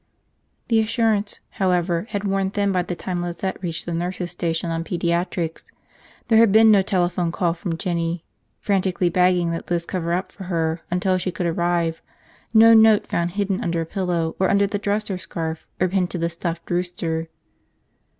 The assurance, however, had worn thin by the time Lizette reached the nurses' station on pediatrics. There had been no telephone call from Jinny frantically begging that Liz cover up for her until she could arrive, no note found hidden under a pillow or under the dresser scarf or pinned to the stuffed rooster.